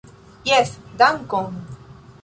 Jes dankon!